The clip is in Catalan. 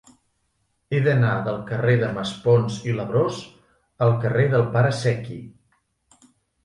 He d'anar del carrer de Maspons i Labrós al carrer del Pare Secchi.